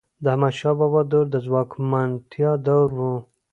د احمدشاه بابا دور د ځواکمنتیا دور و.